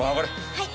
はい！